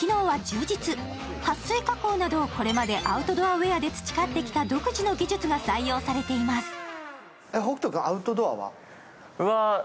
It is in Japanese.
はっ水加工など、これまでアウトドアで培ってきた独自の技術が採用されています。